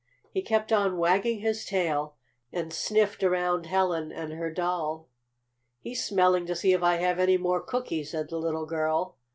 He kept on wagging his tail, and sniffed around Helen and her doll. "He's smelling to see if I've any more cookies," said the little girl.